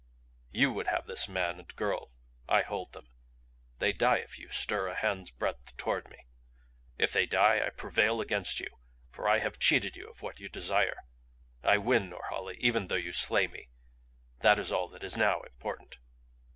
YOU would have this man and girl. I hold them. They die if you stir a hand's breadth toward me. If they die, I prevail against you for I have cheated you of what you desire. I win, Norhala, even though you slay me. That is all that is now important."